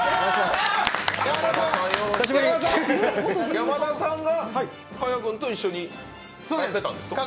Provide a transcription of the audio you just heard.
山田さんが賀屋君と一緒にやってたんですか？